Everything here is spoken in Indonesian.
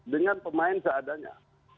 dengan pemain seadanya